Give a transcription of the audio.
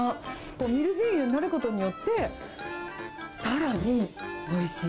ミルフィーユになることによって、さらにおいしい。